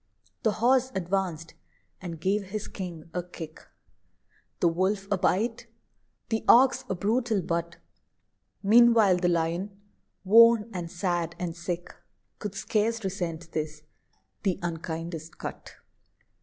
The Horse advanced, and gave his king a kick The Wolf a bite the Ox a brutal butt: Meanwhile the Lion, worn, and sad, and sick, Could scarce resent this, the "unkindest cut."